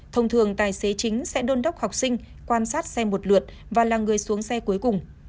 thông thường tài xế chính sẽ đôn đốc học sinh quan sát xe một lượt và là người xuống xe cuối cùng